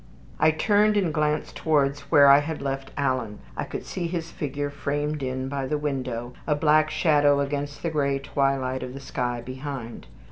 I turned and glanced towards where I had left Alan. I could see his figure framed in by the window, a black shadow against the gray twilight of the sky behind.